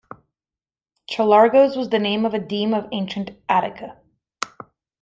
Cholargos was the name of a deme of ancient Attica.